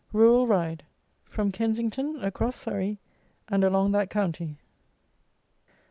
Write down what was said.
RURAL RIDE: FROM KENSINGTON, ACROSS SURREY, AND ALONG THAT COUNTY.